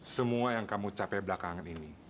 semua yang kamu capai belakangan ini